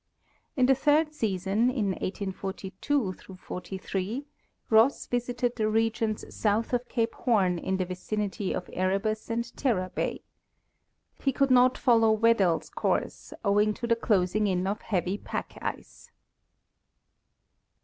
In the third season, in 1842 '43, Ross visited © the regions south of cape Horn in the vicinity of Erebus and Terror bay. He could not follow Weddell's course, owing to the closing in of heavy pack ice.